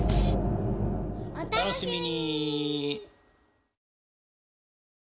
お楽しみに！